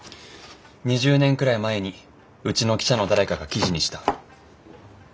２０年くらい前にうちの記者の誰かが記事にした。